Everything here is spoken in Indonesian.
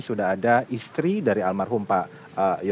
sudah ada istri dari almarhum pak ya